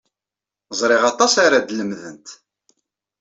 Ẓriɣ aṭas ara d-lemdent.